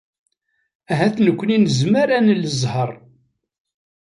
Ahat nekkni nezmer ad nel zzheṛ.